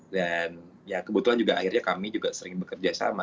dan ya kebetulan juga akhirnya kami juga sering bekerja sama